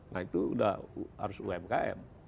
nah itu sudah harus umkm